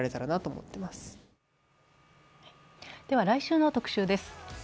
来週の特集です。